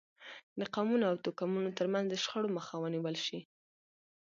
د قومونو او توکمونو ترمنځ د شخړو مخه ونیول شي.